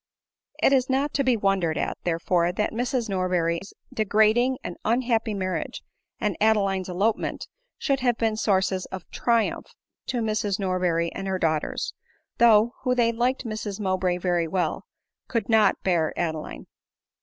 It is not to be wondered at, therefore, that Mrs Mow bray's degrading and unhappy marriage, and Adeline's elopement, should have been sources of triumph to Mrs Norberry and her daughters ; who, though they liked Mrs Mowbray very well, could not bear Adeline.